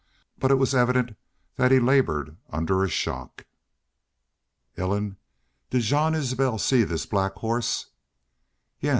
But it was evident that he labored under a shock. "Ellen, did Jean Isbel see this black horse?" "Yes.